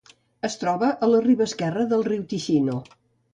Es troba a la riba esquerra del riu Ticino.